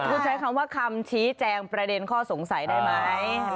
คุณใช้คำว่าคำชี้แจงประเด็นข้อสงสัยได้ไหม